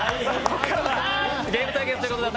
ゲーム対決ということで私